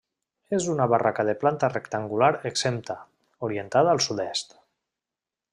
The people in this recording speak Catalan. És una barraca de planta rectangular exempta, orientada al sud-est.